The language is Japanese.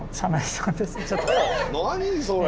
何それ。